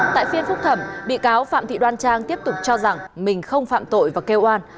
tại phiên phúc thẩm bị cáo phạm thị đoan trang tiếp tục cho rằng mình không phạm tội và kêu an